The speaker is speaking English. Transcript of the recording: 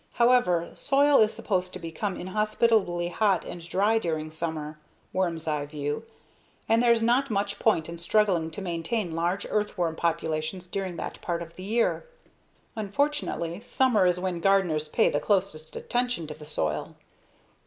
However, soil is supposed to become inhospitably hot and dry during summer (worm's eye view) and there's not much point in struggling to maintain large earthworm populations during that part of the year. Unfortunately, summer is when gardeners pay the closest attention to the soil.